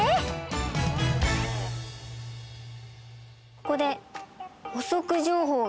ここで補足情報が。